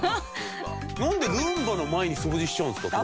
なんでルンバの前に掃除しちゃうんですか？